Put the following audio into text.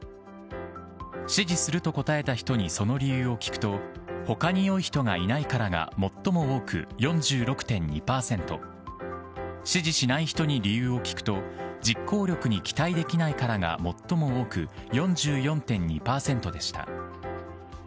支持すると答えた人にその理由を聞くと、ほかによい人がいないからが最も多く４６．２％、支持しない人に理由を聞くと、実行力に期待できないからが最も多く４４．２％でした。